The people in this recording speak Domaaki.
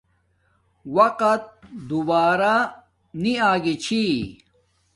وقت دوباہ نی آگی چھی